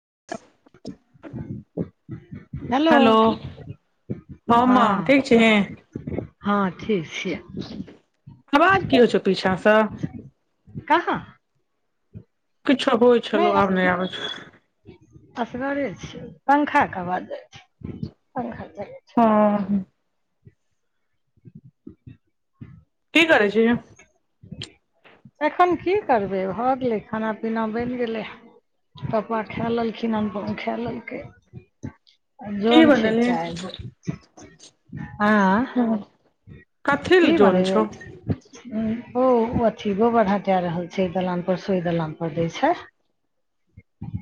[inaudible] Hello हँ माँ ठीक छिही हँ ठीक छियै आवाज की होइ छौ पीछासँ कहाँ किछो होइ नहि छलो आब अ- नय आबै छौ असगरे छियै पंखा कऽ अबज जाइ छै पंखा चले हँ की करै छिही एखन की करबै भऽ गेलै खाना पीना बनि गेलै पपा खाए लेलखिन अनूपम खाए लेलकै की जौन छै बनेलही एटा एगो कथि ले जोन छौ ह हो ओ [inaudible] गोबर हटा रहल छै ये दलान पर से ओह दलान पर दै छै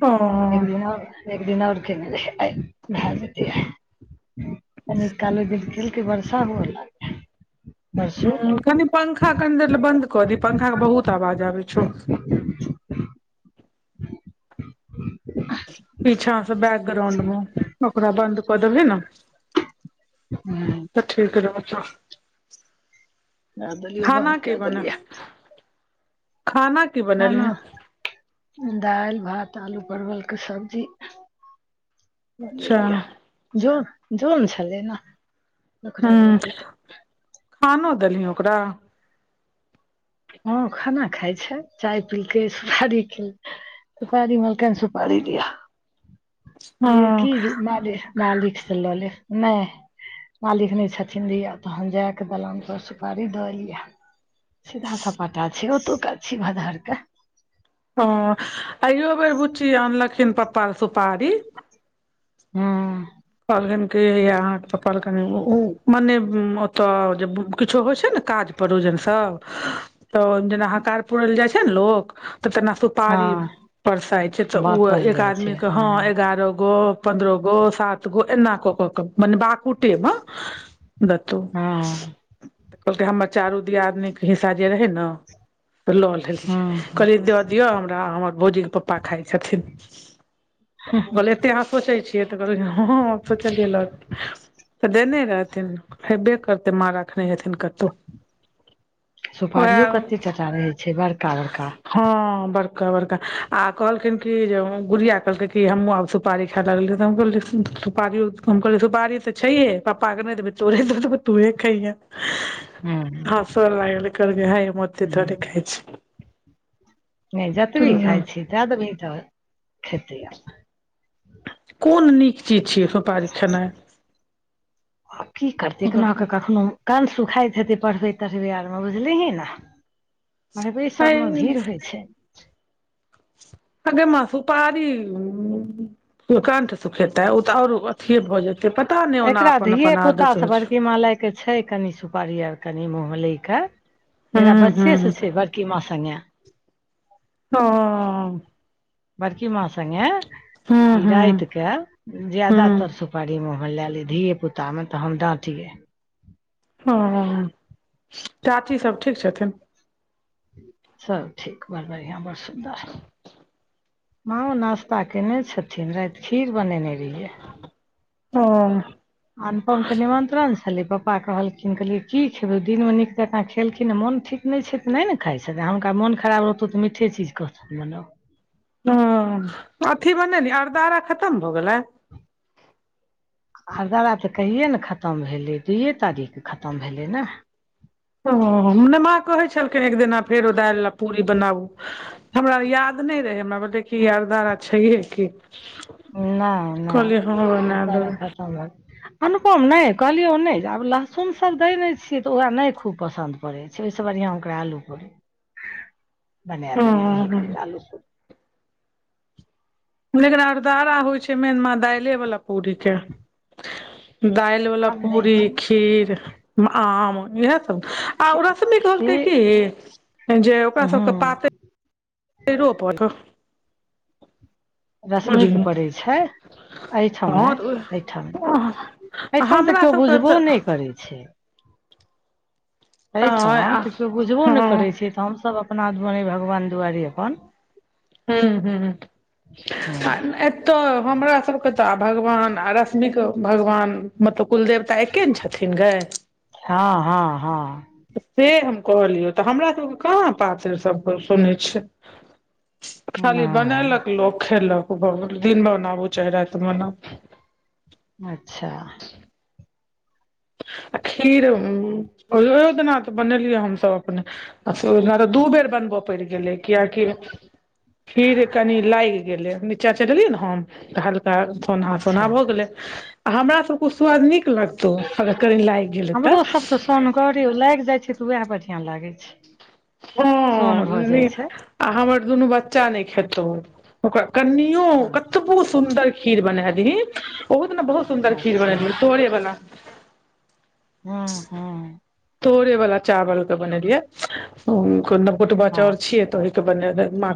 ओह एक दिन आओर एक दिन आओर केने रहै आए भए जेते कनि काल ओह दिन कलके बर्षा हुअ लागैले हूँ कनि पंखा कनि दे बन्द कऽ दी पंखा के बहुत आवाज आबै छौ [inaudible] पीछा से बैकग्राउंड मे ओकरा बन्द कऽ देबै ने हू [unintelligible] तऽ ठीक रह तो दए देलियै खाना बन्द कि कए बने देलियै खाना की बनेलही खाना दाल भात आलू परवलके सब्जी [unintelligible] अच्छा बझलिय ज जम छलै ने ओकरा हूँ दुआरे तऽ खानो देलि ओकरा हँ खाना खाय छै चाय पीलके सुपारीे सुपारी मलकने सुपारी दियो कहलियै की हँ माले मालिक से लऽ ले नै मालिक नहि छथिन ल तहन जाय ते दलान पर सुपारी देल य सीधा सपाटा छी ओतुका छीये भदहर के हँ आइयो बेर बुच्ची आनलखिन पपा सुपारी हँ कहलखिन कि अहाँके कहलख मने ओतऽ जे किछो होइ छै ने काज परोजन सब तऽ ओहि जेना हकार पूरल जाइ छै ने लोग तऽ तेना सु पारी हँ परसाइत छै तऽ ओ बाँटल एक जाइ छै आदमीके हँ ए ग्यारह गो पन्द्रह गो सात गो एना क क क मने बकुटेमे दतो हँ तऽ कहलकै हमर चारू दियाद नीक हिसा जे रहै ने तऽ लऽ हँ हँ कहलीयो दऽ दियअ हमरा हमर भौजीके पपा खाइ छथिन तऽ ओ कहलै एते अहाँ सोचै छियै तऽ कहलियै हाँ हँ सोचलिए गेल दने रहथिन करते माँ राखने हेथिन कतो सुपारियो कते तटा रहैत छै बड़का बड़का हँ बड़का बड़का आ कहलखिन कि जे गुड़िया कहलक कि हमँ आब सुपारी खइ लल त कहल सुपारी कम कर सुपारी तऽ छहे पपा के नहि देबै तोरे द देबौ तोहे खैहे हँ हँसै लागले कहलके हइ मते हँ थोड़े खाय छी नहि जतबी खाइ छीय तदमी तऽ खेतै आ कोन नीक चीज छियै सब [inaudible] आ की करते क न ओ कखनो कण्ठ सुखाइत हेतै पढ़बै तढ़बै आरमे बुझलिहै ने [inaudible] मरबरी सबमे हइ भीड़ होइ छै अगे माँ सुपारी उ कंठ सुखेताे ते और अथे भऽ जते तऽ पता नहि ओना एकरा अपन धिये अपन पुताँ आदत होइ छै बड़की माँ ले छै कनि सुपारी कनि मोहलै कऽ एकरा हूँ बच्चे हूँ सँ छै किमा संगे हँ बड़की माँ सगे हूँ ई हूँ राइत केँ हूँ ज्यादातर सुपारी मु ह मऽ लए ले धिये पुता मऽ तऽ हम डाँटियै हँ चाची सब ठीक छथिन। सब ठीक बड़ बढ़िया बड़ सुन्दर माँ ओ नास्ता कने छथिन राइत खीर बनेने रहियै। ओ अनुपम केँ निमंत्रण छले पपा कहलखिन कहलियै की खेबै दिन मे नीक जका खेलखिन नय मोन ठीक नय छै तऽ नय नऽ खाइ छथिन हुनका मोन खराब रहतौ तऽ मीठे चीज कहथुन बनाउ। हँ अथी मने ली अरदारा खतम भऽ गेलै। आरदारा तऽ कहिए नऽ खतम भेलै दूये तारीख कऽ खतम भेलै नऽ ओ नैय माँ कहै छलखिन एक दिना फेर ओ दाइल लऽ पूरी बनाउ हमरा याद नय रहै हमरा भेले कि अरदारा छैहे की नय नय कहलियै हँ बना अरदारारा देबै खतम भऽ अनुपम नय कहलियौ नय जे आब लहसुन सब देय ने छियै तऽ ओकरा नय खूब पसंन्द पड़ै। छै ओहिसँ बढ़िआँ ओकरा आलू पूड़ी [inaudible] बनै दने रहियै एक हँ दिन पुरी लेकिन अठदारा होइ छै मेन माँ दाइले बाला पूरी के, दाइ ले वला आब नहि पूरी खीर आम इहै आ उ खेबै रश्मि कहलकै खीर की जे ओकरा सबके पातै हूं रो परे रश्मि कऽ परै छै एहिठम हँ नय तऽ एहिठम नय एहिठम तऽ हमरा केओ सबके बुझबो तऽ नइ करै छै। नहि एहिठम आ तऽ केओ बुझबो हँ नइ हूँ करै छै तऽ हमसभ अपना दुआरे भगवान दुआरे अपन हुँ - हुँ हूं आ ए तऽ हमरा सब कऽ तऽ भगवान आ रश्मि कऽ भगवान मतलब कुलदेवता एके नऽ छ थिन गैय हँ - हँ, हँ। तऽ से हम कहलियौ तऽ हमरा सभ केँ कहाँ पातैर सब पर सुनै छियै खाली नै बनेलक लोक खेलक भऽ गेलै दिन मऽ मनाबू चाहे राइत मनाउ अच्छह आ खीर ओ ओहियो दिना तऽ बनेलियै हमसभ अपने आ फेर ओय दिना तऽ दुबर बनबऽ पैड़ गेलै कियकि खीर कनी लाइग गेलै नीचा चैल एलियै नऽ हम तऽ हल् का सोनहा - अच्छा सोनहा भऽ गेले आ हमरा सब कऽ उ स्वाद नीक लगतो अगर कनि लाइग हमरो सभ कऽ सोनगौर लाइग जाइ छै तऽ वैह बढ़िया लागै छै। हँ सोन भऽ जाइ छै। आ हमर दुनू बच्चा नै खेतो ओकरा कनियो कतबु सुन्दर खीर बना दिहि ओहो दिया बहुत सुन्दर खीर अच्छा बनेलियै तोरे बला हँ - हँ तोड़े वाला चावल के बनेलिये न गोटवा हँ चाउर छिये त ओहि के बने लेब मा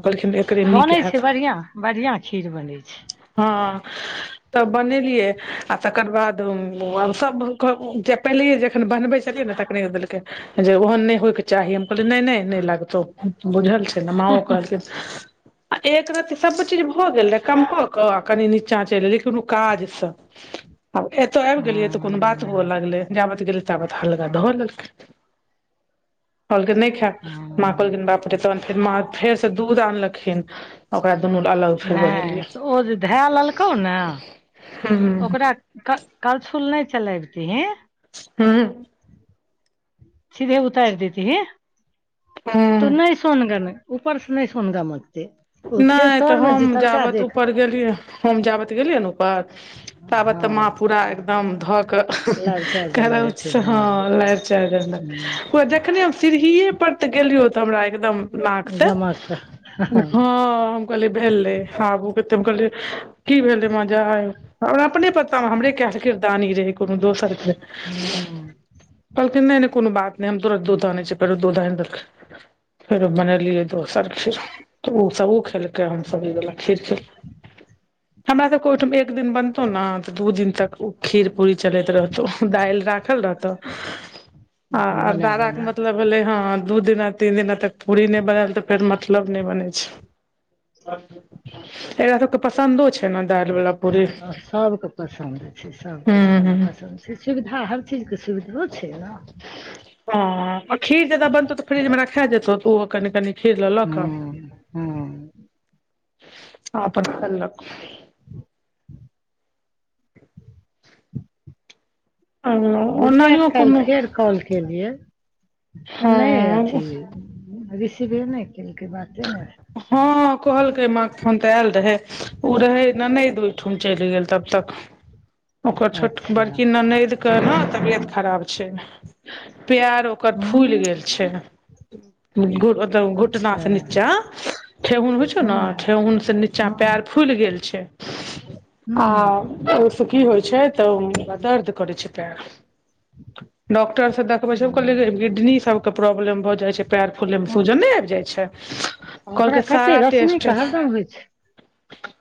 बनै छै बढ़िया बढ़िआं खीर बनैत छै हँ तब बनेलियै आ तकर बाद सभ जे पहिले जखन बनबै छलियै ने तख नय देलकै जे ओहन नहि होइ के चाही हम कहली नहि नहि नहि लागतौ बुझल छै माँ ओ कहलके आ एक रति सभ चीज भ गेल रहय कम क क कनी नीचा चलि गेल रही कोनो काज सँ आब एतौ आबि गेलियै तऽ कोनो बात हुअ हूं लगले जाबत गेलियै ताबत हल्का ध लेलके कहलकै नहि खाएब माँ हूं कहलखिन बाप पे तहन फेर माँ फेरसँ दूध आनलखिन ओकरा दुनू अलग फेर नहि बनेलियै तऽ ओ जे धए लेलकौ ने हूँ ओकरा करछुल नहि चलैबतीही [inaudible] सीधे उतारि देतिही हूँ तू नहि सोनगन उपर सँ नहि सोनगम हेतै नहि त हम जाबत ऊपर गेलियै हम जाबत गेलियै ने ऊपर ताबत माँ हँ पूरा एकदम ध क लारि चारि देने करोछ हेथिन हँ लारि चारी देने ह रहथिन पूरा जखने हम सीढ़ीे पर ते गेलियो त हमरा एकदम नाक से गमक हँ हँ हँ हम कहलियै भेले आबू के हम कहलिय की भेले मजा आय हमरा अपने पता हमरे कायल किरदानी रहै कोनो दोसर के हूँम्म कहलखिन नहि नहि कोनो बात नहि हम तुरत दूध आनेय छीये फेरो दूध आनेय देलखीन फेरो बनेलीये दोसर खीर त ओ सब ओ खेलकै हम सभ इ वला खीर खेलिये हमरा सबके ओहिठाम एक दिन बनतौ ने त दू दिन तक उ खीर पूरी चलैत रहतौ दालि राखल रहतो आ अपन बना अरदारा के बना मतलब भेले हा दू दिना तीन दिना तक पूरी नहि बनेल ते फेर मतलब नहि बने छै एकरा सबके पसन्दो छै ने दालि वाला पूरी सभ के पसन्द छै सभके हूं बढ़िआँ हूं पसन्द सुविधा हर चीजके सुविधो छै न आ खीर जादा बनतौ त फ्रिज मे राखा जेतौ त ओहो कनि कनि खीर ल ल क हँ हँ आ अपन खेलक गुड़िया के ओनाहियो काल्हि कोनो फेर कॉल केलियै नहि हँ अथी भेल रिसिविंग नहि केलकै बाते ने हँ कहलकै माँ फोन त आयल रहे ओ रहे ननद ओहिठम चलि गेल तब तक [unintelligible] ओकर छोट अच्छा बड़की ननद के ने तबियत खराब छै पैरो ओकर फुलि हूँ गेल छै घुट घुटना अच्छा से नीचा ठेहुन होइ छै ने हँ ठेहुन से नीचा पैर हँ फुलि गेल छै आ हूँ ओहि सँ की होइ छै त हुनका दर्द करै छै पैर डॉकटर स देखबै छै किडनी सब के प्रॉब्लम भ जाइ छै पैर फूलय मे सूजन नहि आबि जाइ छै ओकरा कहलके कते सारा रश्मि टेस्ट के हरदम होइ छै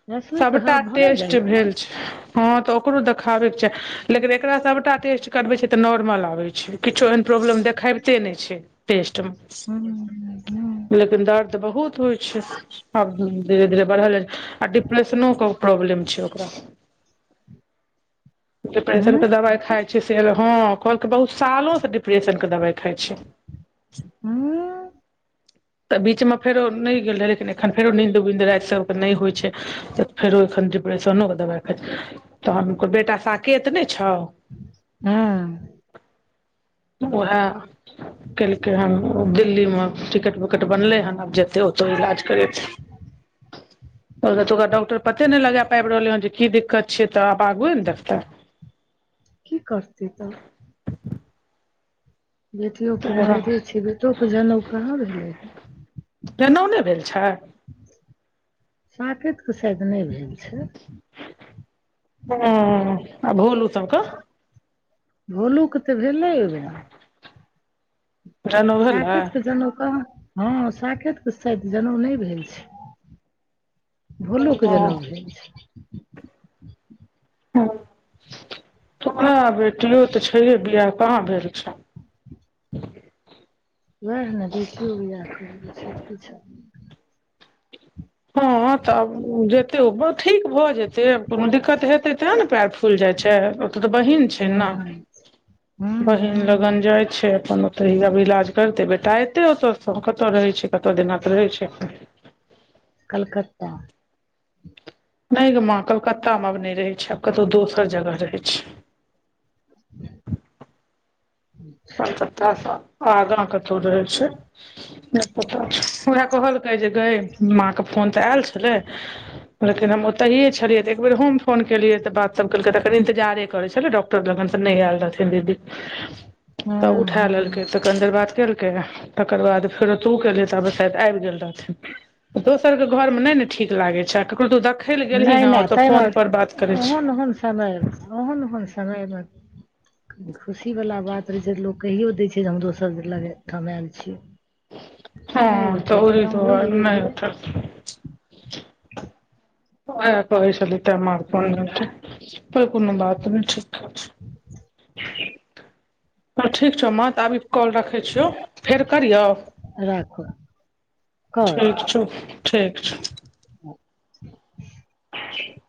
रश्मि के ह सभटा भ नहि टेस्ट जाइ भेल छै हँ तऽ ओकरो देखाबे के छै लेकिन एकरा सबटा टेस्ट करबे छै तऽ नॉर्मल आबे छै किछो ओहन परोबलम दिखाबते नय छै टेस्ट म हूँ लेकिन दर्द बहुत होइ छै आब धीरे धीरे बढ़ल आ डिप्रेशनो के प्रॉब्लम छै ओकरा डिपरेशन हूँ के दबाइ खाइ छै हँ कहलके बहुत सालो से डिप्रेशन के दवाइ खाइ छै हूँ तऽ बीच मे फेरो नय गेल रहय लेकिन एखन फेरो नींन्द उन्द राति सबके नय होइ छै फेरो एखन डिप्रेशनो के दबाइ खाइ छै तहनो बेटा साकत ने छौ हँ उएह केलकै हन दिल्ली मे टिकट ट बनले हन आब जेते ओतो इलाज करे त ओकरा डॉक्टर पते नय लगा पाबि रहले हैं जे की दिक्कत छिय तऽ आब आगुए ने देखते की करते तऽ बेटियो कुमारे छै बेटोके जनउ कहाँ भेलै हे जनेउ न भेल छै साकतके शायद नय भेल छै ह आ भोलु सब कऽ भोलू के तऽ भेलै ओइ बेरा जनउ भेलै साकतके जनउ कहाँ हँ साकतके शायद जनउ नय भेल छै भोलु के जनाउ भेल छै [inaudible] ओकरा बेटियो तऽ छैहे बिआह कहाँ भेल छौ वएह ने बेटियो बिआह करैके छै हँ तब जेतै ओ ठीक भऽ जेतै कोनो दिक्कत हेतै ते ने पैर फूल जाय छै ओते तऽ बहीन छै न हूँ हूँ बहिन हूँ लगन जाय छै अपन तऽब इलाज करतै बेटा एतै ओतयसँ कतय रहै छै कतय दना त रहै छै कलकत्ता नय गय माँ कलकत्ता मे आब नय रहै छै आब कतहु दोसर जगह रहै छै अच्छा [unintelligible] आगाँ कतौ रहे छै [inaudible] पता छै उएह कहलकै जे गय माँके फोन तऽ आयल छलै लेकिन हम ओतहिए छलियै तऽ एक बेेर हम फोन केलियै तऽ बात सब केलके तखन इन्तजारे करै छले डॉक्टर लगन से नय आयल रहथिन दीदी तब हूँ उठा लेलकै हूँ तऽ कनि देर बात केलकै तकर बाद फेरो तू केलही तऽ आब शायद आईब गेल रहथिन दोसरके घरमे नय ने ठीक लागै छै आ ककरो तू देखय लए गेलही नहि हँ ओ नहि तऽ ताहिमे फोनपर बात करै छी [inaudible] ओहन ओहन समय मे खुशी वाला बात रहे छै लोग कहियो दै छै जे हमरोस सब लग ठमाल छीय हँ नय उठेलकै ओहि तऽ हम बुझि दुआरे नहि गेलियै उठल [inaudible] [inaudible] कोइ कोनु बात नय छै [inaudible] तल ठीक छौ माँ तऽ आब कॉल रखै छियौ फेर करियौ राखऽ [inaudible] कर ठीक छौ ठीक छ [unintelligible] [unintelligible]